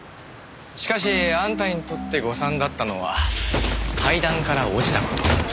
しかしあんたにとって誤算だったのは階段から落ちた事。